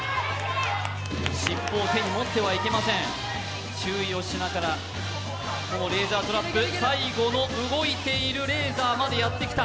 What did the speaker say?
尻尾を手に持ってはいけません、注意をしながらレーザートラップ、最後の動いているレーザーまでやってきた。